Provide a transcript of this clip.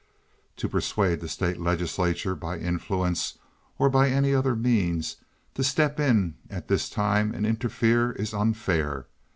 To persuade the state legislature, by influence or by any other means, to step in at this time and interfere is unfair.